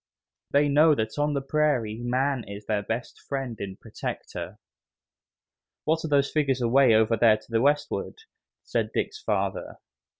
They know that on the prairie man is their best friend and protector. "What are those figures away over there to the westward?" said Dick's father.